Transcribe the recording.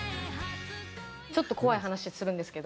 ちょっと怖い話するんですけど。